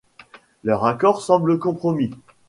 Leur accord semble compromis.